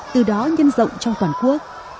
từ đó nhân rộng trong toàn quốc